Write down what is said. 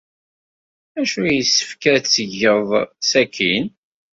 D acu ay yessefk ad t-geɣ sakkin?